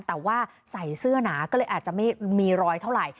แต่ว่าใส่เสื้อหนาก็เลยอาจจะไม่มีรอยเท่าไหร่